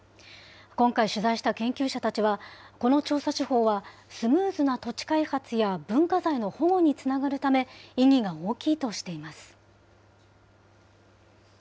今回取材した研究者たちは、この調査手法は、スムーズな土地開発や文化財の保護につながるため、意義が大きいとしています。